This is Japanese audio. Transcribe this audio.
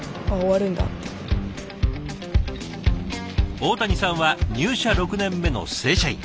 大谷さんは入社６年目の正社員。